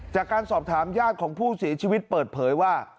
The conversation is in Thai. จากการสอบถามญาติของผู้เสียชีวิตเปิดเผยว่า